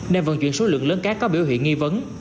nên vận chuyển số lượng lớn cát có biểu hiện nghi vấn